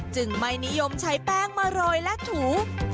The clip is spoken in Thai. ไม่นิยมใช้แป้งมาโรยและถู